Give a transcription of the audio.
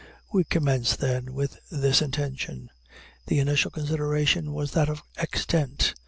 We commence, then, with this intention. The initial consideration was that of extent.